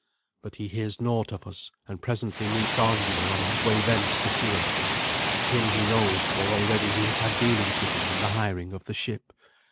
But he hears naught of us, and presently meets Arngeir on his way thence to see us. Him he knows, for already he has had dealings with him in the hiring of the ship.